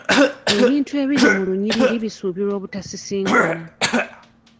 Ebintu ebiri mu lunyiriri bisuubirwa obutasisinkana.